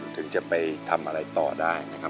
ถึงจะไปทำอะไรต่อได้นะครับ